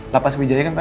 lapas bijaya kan pak